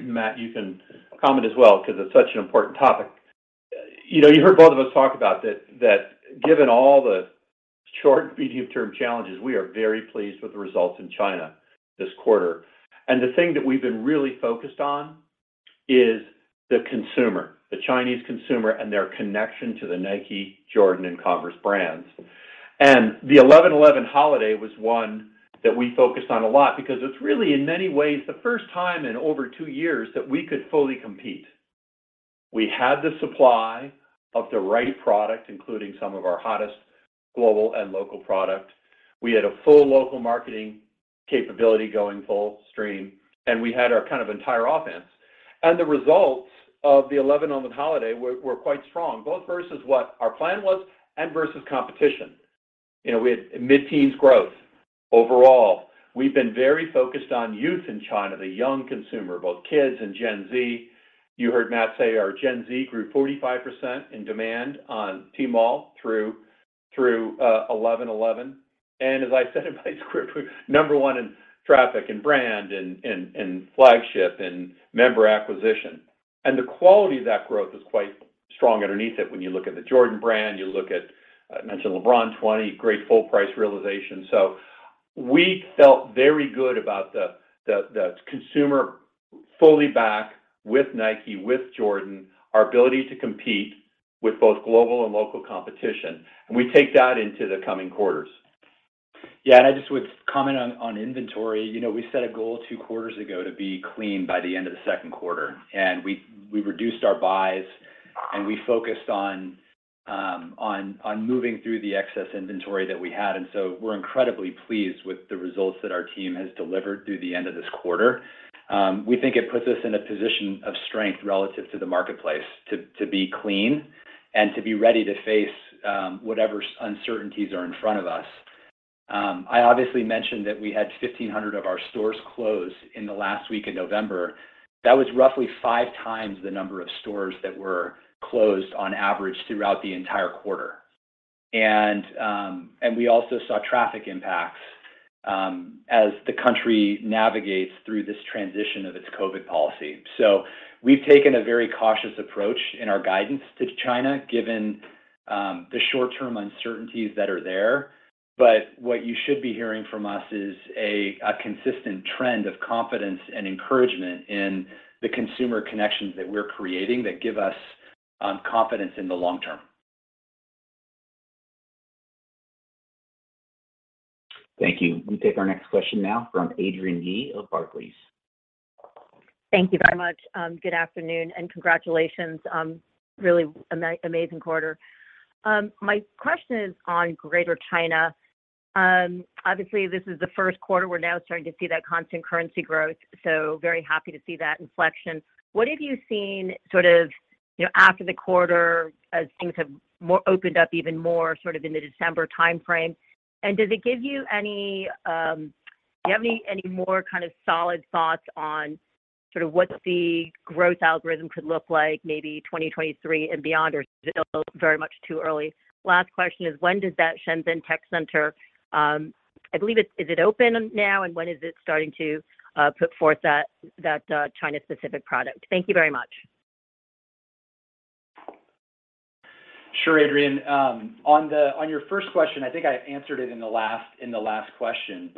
Matt, you can comment as well because it's such an important topic. You know, you heard both of us talk about that given all the short and medium term challenges, we are very pleased with the results in China this quarter. The thing that we've been really focused on is the consumer, the Chinese consumer and their connection to the Nike, Jordan and Converse brands. The 11.11 holiday was one that we focused on a lot because it's really in many ways the first time in over two-years that we could fully compete. We had the supply of the right product, including some of our hottest global and local product. We had a full local marketing capability going full stream, and we had our kind of entire offense. The results of the 11.11 holiday were quite strong, both versus what our plan was and versus competition. You know, we had mid-teens growth overall. We've been very focused on youth in China, the young consumer, both kids and Gen Z. You heard Matt say our Gen Z grew 45% in demand on Tmall through 11.11. As I said in my script, we're number one in traffic and brand and flagship and member acquisition. The quality of that growth is quite strong underneath it when you look at the Jordan Brand, you look at, I mentioned LeBron 20, great full price realization. We felt very good about the consumer fully back with Nike, with Jordan, our ability to compete with both global and local competition, we take that into the coming quarters. I just would comment on inventory. You know, we set a goal two quarters ago to be clean by the end of the second quarter, and we reduced our buys, and we focused on moving through the excess inventory that we had. We're incredibly pleased with the results that our team has delivered through the end of this quarter. We think it puts us in a position of strength relative to the marketplace to be clean and to be ready to face whatever uncertainties are in front of us. I obviously mentioned that we had 1,500 of our stores close in the last week of November. That was roughly five times the number of stores that were closed on average throughout the entire quarter. We also saw traffic impacts, as the country navigates through this transition of its COVID policy. We've taken a very cautious approach in our guidance to China, given the short term uncertainties that are there. What you should be hearing from us is a consistent trend of confidence and encouragement in the consumer connections that we're creating that give us confidence in the long term. Thank you. We take our next question now from Adrienne Yih of Barclays. Thank you very much. Good afternoon and congratulations on really amazing quarter. My question is on Greater China. Obviously this is the first quarter we're now starting to see that constant currency growth, so very happy to see that inflection. What have you seen sort of, you know, after the quarter as things have more opened up even more sort of in the December timeframe? Does it give you any, do you have any more kind of solid thoughts on Sort of what the growth algorithm could look like maybe 2023 and beyond, or is it still very much too early? Last question is when does that Shenzhen tech center, Is it open now, and when is it starting to put forth that China-specific product? Thank you very much. Sure, Adrienne. On your first question, I think I answered it in the last question.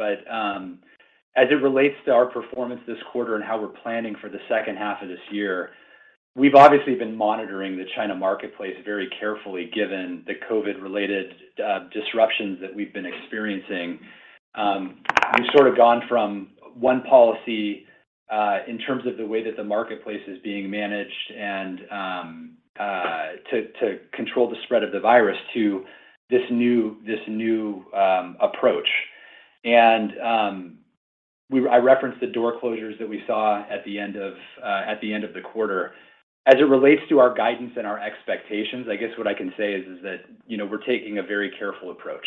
As it relates to our performance this quarter and how we're planning for the second half of this year, we've obviously been monitoring the China marketplace very carefully given the COVID-related disruptions that we've been experiencing. We've sort of gone from one policy in terms of the way that the marketplace is being managed and to control the spread of the virus to this new approach. I referenced the door closures that we saw at the end of the quarter. As it relates to our guidance and our expectations, I guess what I can say is that, you know, we're taking a very careful approach.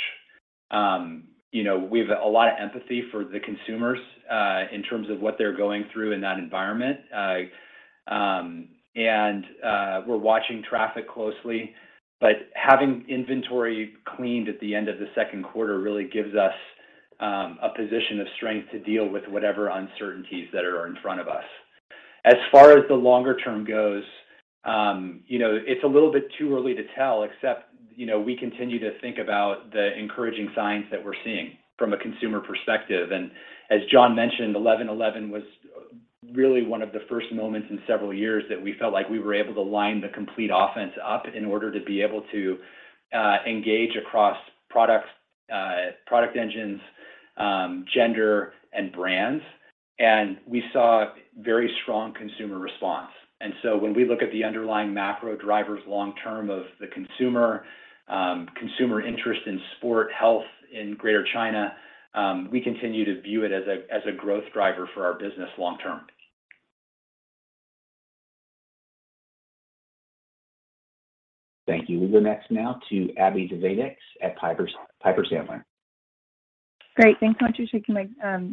You know, we've a lot of empathy for the consumers, in terms of what they're going through in that environment. We're watching traffic closely. Having inventory cleaned at the end of the second quarter really gives us a position of strength to deal with whatever uncertainties that are in front of us. As far as the longer term goes, you know, it's a little bit too early to tell except, you know, we continue to think about the encouraging signs that we're seeing from a consumer perspective. As John mentioned, 11.11 was really one of the first moments in several years that we felt like we were able to line the complete offense up in order to be able to engage across products, product engines, gender and brands. We saw very strong consumer response. When we look at the underlying macro drivers long term of the consumer interest in sport, health in Greater China, we continue to view it as a growth driver for our business long term. Thank you. We go next now to Abbie Zvejnieks at Piper Sandler. Great. Thanks so much for taking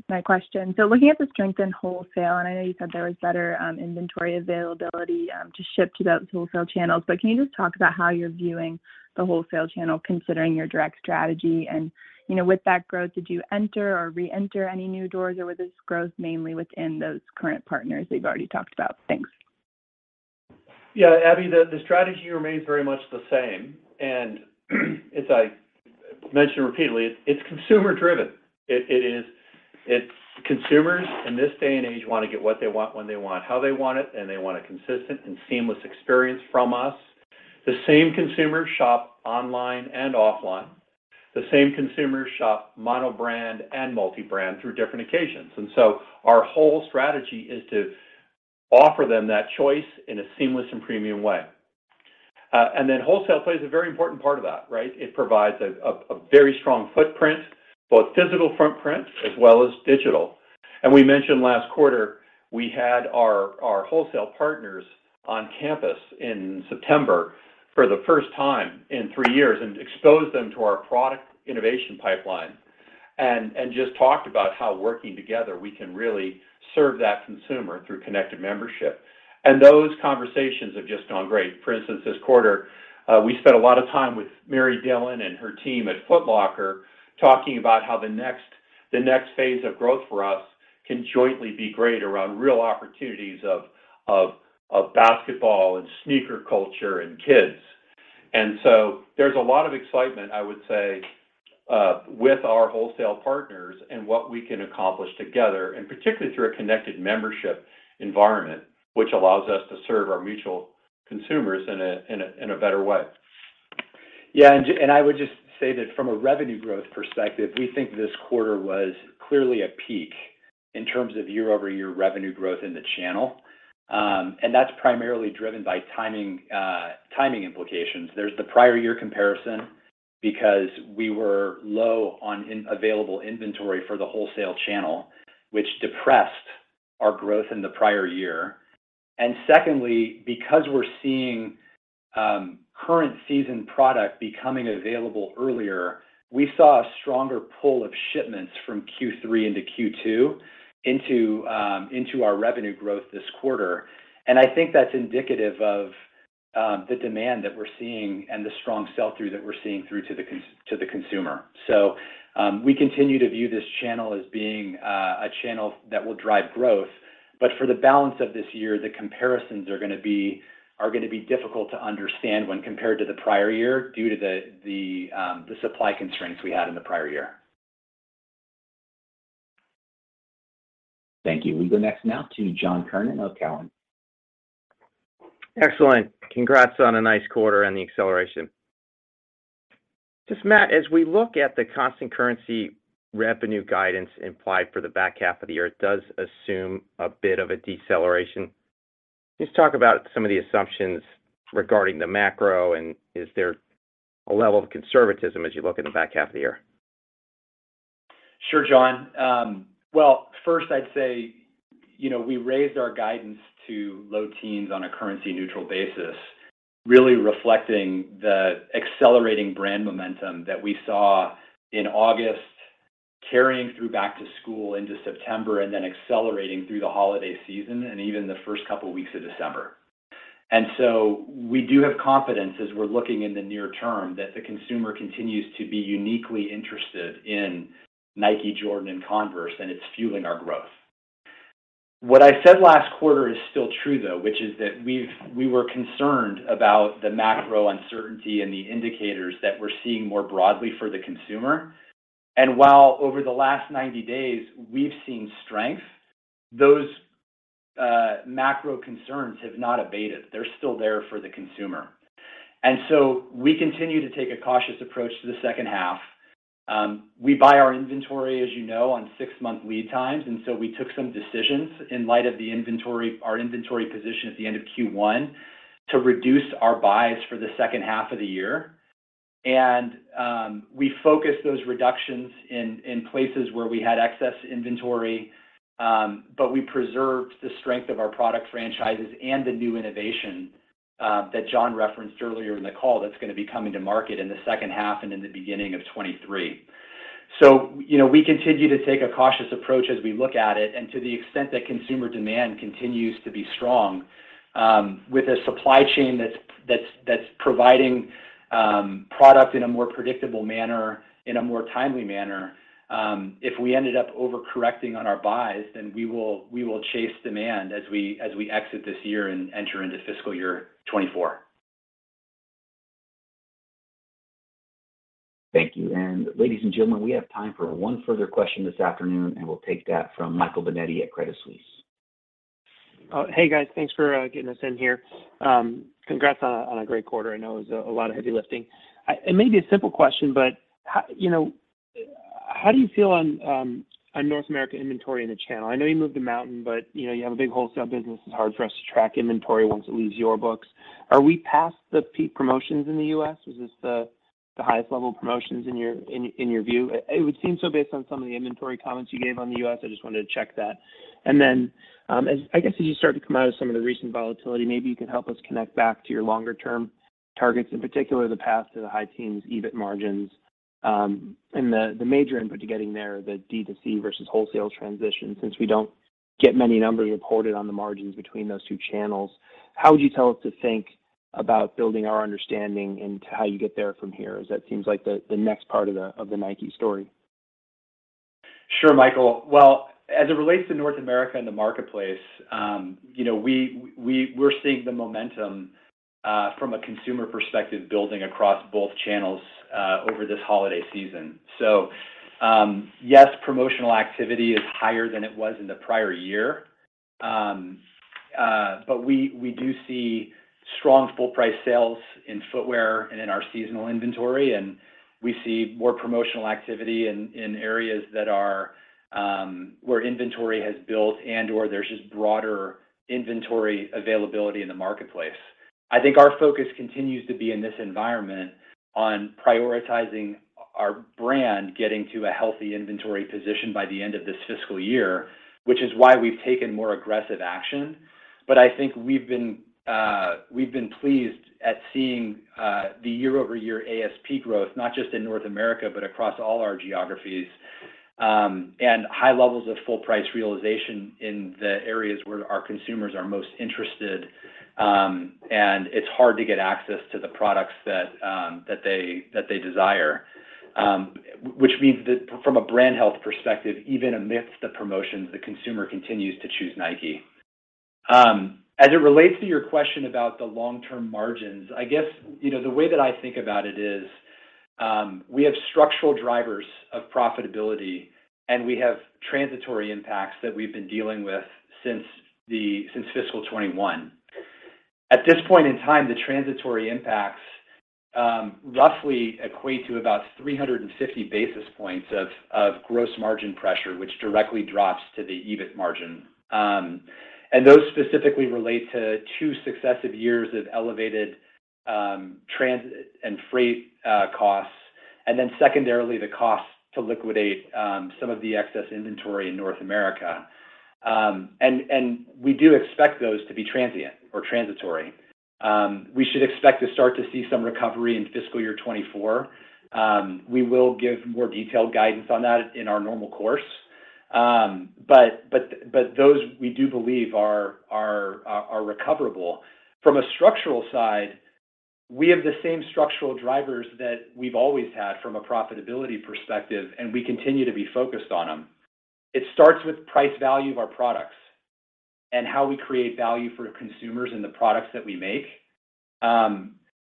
my question. Looking at the strength in wholesale, I know you said there was better inventory availability to ship to those wholesale channels. Can you just talk about how you're viewing the wholesale channel considering your direct strategy? You know, with that growth, did you enter or reenter any new doors, or was this growth mainly within those current partners that you've already talked about? Thanks. Yeah, Abby, the strategy remains very much the same. As I mentioned repeatedly, it's consumer driven. It's consumers in this day and age wanna get what they want, when they want, how they want it, and they want a consistent and seamless experience from us. The same consumers shop online and offline. The same consumers shop mono brand and multi-brand through different occasions. Our whole strategy is to offer them that choice in a seamless and premium way. Wholesale plays a very important part of that, right? It provides a very strong footprint, both physical footprint as well as digital. We mentioned last quarter we had our wholesale partners on campus in September for the first time in three years and exposed them to our product innovation pipeline and just talked about how working together we can really serve that consumer through connected membership. Those conversations have just gone great. For instance, this quarter, we spent a lot of time with Mary Dillon and her team at Foot Locker talking about how the next, the next phase of growth for us can jointly be great around real opportunities of basketball and sneaker culture and kids. So there's a lot of excitement, I would say, with our wholesale partners and what we can accomplish together, and particularly through a connected membership environment, which allows us to serve our mutual consumers in a better way. Yeah. I would just say that from a revenue growth perspective, we think this quarter was clearly a peak in terms of year-over-year revenue growth in the channel. That's primarily driven by timing implications. There's the prior year comparison because we were low on available inventory for the wholesale channel, which depressed our growth in the prior year. Secondly, because we're seeing current season product becoming available earlier, we saw a stronger pull of shipments from Q3 into Q2 into our revenue growth this quarter. I think that's indicative of the demand that we're seeing and the strong sell-through that we're seeing through to the consumer. We continue to view this channel as being a channel that will drive growth. For the balance of this year, the comparisons are gonna be difficult to understand when compared to the prior year due to the supply constraints we had in the prior year. Thank you. We go next now to John Kernan of Cowen. Excellent. Congrats on a nice quarter and the acceleration. Just Matt, as we look at the constant currency revenue guidance implied for the back half of the year, it does assume a bit of a deceleration. Can you just talk about some of the assumptions regarding the macro, and is there a level of conservatism as you look at the back half of the year? Sure, John. Well, first I'd say, you know, we raised our guidance to low teens on a currency neutral basis, really reflecting the accelerating brand momentum that we saw in August, carrying through back to school into September and then accelerating through the holiday season and even the first couple weeks of December. We do have confidence as we're looking in the near term that the consumer continues to be uniquely interested in Nike, Jordan, and Converse, and it's fueling our growth. What I said last quarter is still true, though, which is that we were concerned about the macro uncertainty and the indicators that we're seeing more broadly for the consumer. While over the last 90 days we've seen strength, those macro concerns have not abated. They're still there for the consumer. We continue to take a cautious approach to the second half. We buy our inventory, as you know, on six-month lead times. We took some decisions in light of the inventory, our inventory position at the end of Q1 to reduce our buys for the second half of the year. We focused those reductions in places where we had excess inventory. We preserved the strength of our product franchises and the new innovation that John referenced earlier in the call that's gonna be coming to market in the second half and in the beginning of 2023. You know, we continue to take a cautious approach as we look at it. To the extent that consumer demand continues to be strong, with a supply chain that's providing product in a more predictable manner, in a more timely manner, if we ended up overcorrecting on our buys, then we will chase demand as we exit this year and enter into fiscal year 2024. Thank you. Ladies and gentlemen, we have time for one further question this afternoon, and we'll take that from Michael Binetti at Credit Suisse. Hey, guys. Thanks for getting us in here. Congrats on a great quarter. I know it was a lot of heavy lifting. It may be a simple question, but you know, how do you feel on North America inventory in the channel? I know you moved a mountain, but you know, you have a big wholesale business. It's hard for us to track inventory once it leaves your books. Are we past the peak promotions in the U.S.,? Was this the highest level of promotions in your view? It would seem so based on some of the inventory comments you gave on the U.S., I just wanted to check that. I guess as you start to come out of some of the recent volatility, maybe you could help us connect back to your longer term targets, in particular the path to the high teens EBIT margins. The major input to getting there, the D2C versus wholesale transition. Since we don't get many numbers reported on the margins between those two channels, how would you tell us to think about building our understanding into how you get there from here, as that seems like the next part of the Nike story? Sure, Michael. Well, as it relates to North America and the marketplace, you know, we're seeing the momentum from a consumer perspective building across both channels over this holiday season. Yes, promotional activity is higher than it was in the prior year. We do see strong full price sales in footwear and in our seasonal inventory, and we see more promotional activity in areas that are where inventory has built and/or there's just broader inventory availability in the marketplace. I think our focus continues to be in this environment on prioritizing our brand getting to a healthy inventory position by the end of this fiscal year, which is why we've taken more aggressive action. I think we've been pleased at seeing the year-over-year ASP growth, not just in North America, but across all our geographies, and high levels of full price realization in the areas where our consumers are most interested, and it's hard to get access to the products that they desire. Which means that from a brand health perspective, even amidst the promotions, the consumer continues to choose Nike. As it relates to your question about the long term margins, I guess, you know, the way that I think about it is, we have structural drivers of profitability and we have transitory impacts that we've been dealing with since fiscal 2021. At this point in time, the transitory impacts roughly equate to about 350 basis points of gross margin pressure, which directly drops to the EBITDA margin. Those specifically relate to two successive years of elevated transit and freight costs, and then secondarily, the cost to liquidate some of the excess inventory in North America. We do expect those to be transient or transitory. We should expect to start to see some recovery in fiscal year 2024. We will give more detailed guidance on that in our normal course. Those we do believe are recoverable. From a structural side, we have the same structural drivers that we've always had from a profitability perspective, and we continue to be focused on them. It starts with price value of our products and how we create value for consumers in the products that we make.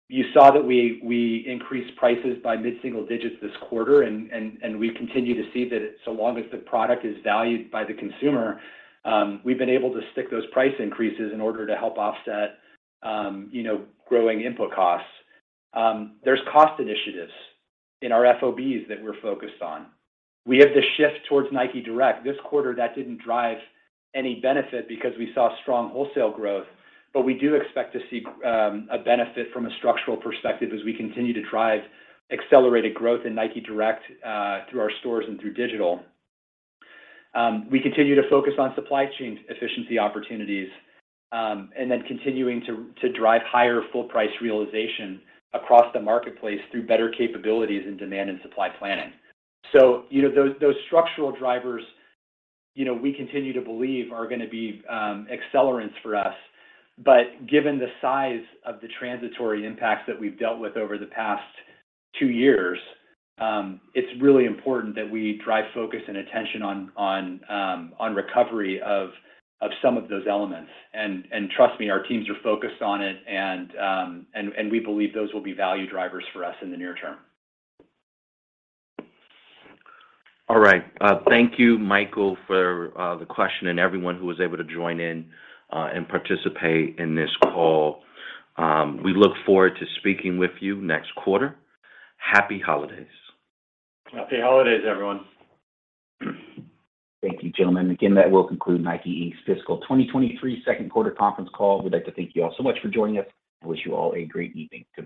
You saw that we increased prices by mid-single digits this quarter and we continue to see that so long as the product is valued by the consumer, we've been able to stick those price increases in order to help offset, you know, growing input costs. There's cost initiatives in our FOBs that we're focused on. We have the shift towards Nike Direct. This quarter that didn't drive any benefit because we saw strong wholesale growth, but we do expect to see a benefit from a structural perspective as we continue to drive accelerated growth in Nike Direct, through our stores and through digital. We continue to focus on supply chain efficiency opportunities, and then continuing to drive higher full price realization across the marketplace through better capabilities in demand and supply planning. You know, those structural drivers, you know, we continue to believe are gonna be accelerants for us. Given the size of the transitory impacts that we've dealt with over the past two-years, it's really important that we drive focus and attention on recovery of some of those elements. Trust me, our teams are focused on it and we believe those will be value drivers for us in the near term. All right. Thank you, Michael, for the question and everyone who was able to join in and participate in this call. We look forward to speaking with you next quarter. Happy holidays. Happy holidays, everyone. Thank you, gentlemen. Again, that will conclude NIKE, Inc.'s fiscal 2023 second quarter conference call. We'd like to thank you all so much for joining us and wish you all a great evening. Good night